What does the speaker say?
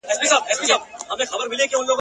په ځان روغ وو رنګ په رنګ یې خوراکونه !.